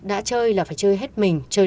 đã chơi là phải chơi hết mình chơi